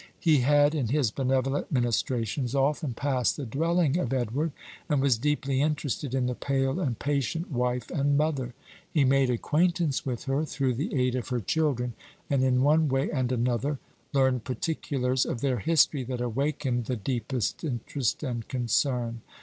He had, in his benevolent ministrations, often passed the dwelling of Edward, and was deeply interested in the pale and patient wife and mother. He made acquaintance with her through the aid of her children, and, in one way and another, learned particulars of their history that awakened the deepest interest and concern.